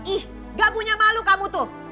ih gak punya malu kamu tuh